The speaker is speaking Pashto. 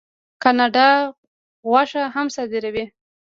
کاناډا غوښه هم صادروي.